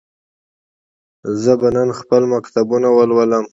زه به نن خپل مکتوبونه ولولم.